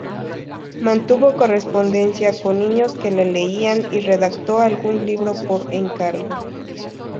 Mantuvo correspondencia con niños que le leían, y redactó algún libro por encargo.